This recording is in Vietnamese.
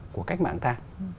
của cách mạng ta